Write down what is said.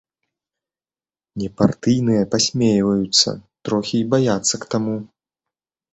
Непартыйныя пасмейваюцца, трохі й баяцца к таму.